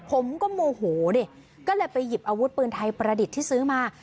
ผมก็โมโหดิก็เลยไปหยิบอาวุธปืนไทยประดิษฐ์ที่ซื้อมา